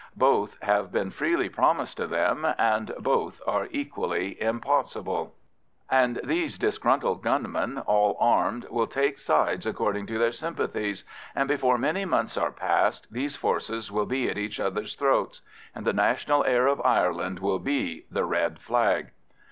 Both have been freely promised to them, and both are equally impossible. And these disgruntled gunmen, all armed, will take sides according to their sympathies, and before many months are past these forces will be at each other's throats. And the national air of Ireland will be the "Red Flag."